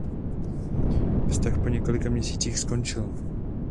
Vztah po několika měsících skončil.